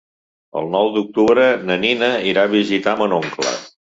El nou d'octubre na Nina irà a visitar mon oncle.